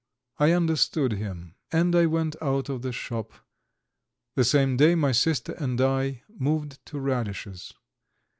I understood him, and I went out of the shop. The same day my sister and I moved to Radish's.